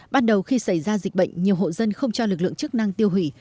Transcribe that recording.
ban đầu khi xảy ra dịch bệnh nhiều hộ dân không cho lực lượng chức năng tiêu hủy